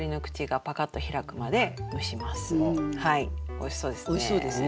おいしそうですね。